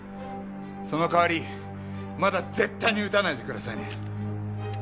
その代わりまだ絶対に撃たないでくださいね。